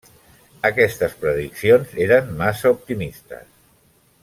Aquestes prediccions eren massa optimistes.